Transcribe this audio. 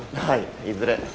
はいいずれ。